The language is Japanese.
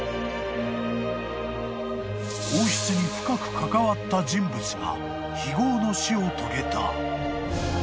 ［王室に深く関わった人物が非業の死を遂げた］